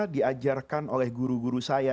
diajarkan oleh guru guru saya